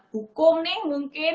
hukum nih mungkin